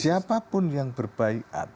siapapun yang berbaikat